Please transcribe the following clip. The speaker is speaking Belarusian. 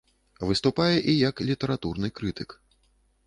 Выступае і як літаратурны крытык.